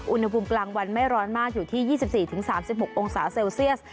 อุณหภูมิกลางวันไม่ร้อนมากอยู่ที่๒๔๓๖องศาเซลเซียส